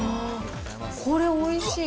これ、おいしい。